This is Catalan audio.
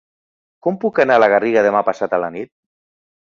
Com puc anar a la Garriga demà passat a la nit?